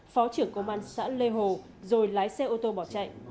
phó trưởng công an xã lê hồ rồi lái xe ô tô bỏ chạy